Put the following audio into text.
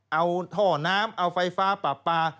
เอาท่อน้ำเอาไฟฟ้าปรับปลา